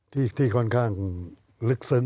ที่ค่อนข้างลึกซึ้ง